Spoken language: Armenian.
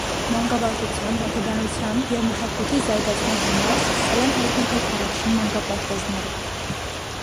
Մանկավարժության, հոգեբանության և մշակույթի զարգացման համար սկսել են հայտնվել առաջին մանկապարտեզները։